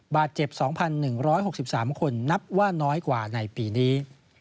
บาดเจ็บ๒๑๖๓คนนับว่าน้อยกว่าในปีนี้